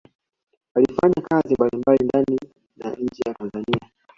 Alifanya kazi mbalimbali ndani na nje ya Tanzania